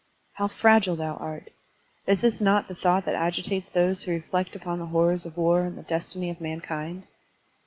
How fragile thou art! Is this not the thought that agitates those who reflect upon the horrors of war and the destiny of mankind?